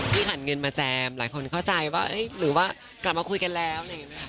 พี่ขันเงินมาแจมหลายคนเข้าใจว่าหื้อหรือว่ากลับมาคุยกันแล้ว